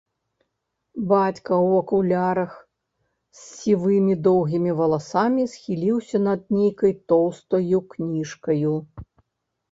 Бацька ў акулярах з сівымі доўгімі валасамі схіліўся над нейкаю тоўстаю кніжкаю.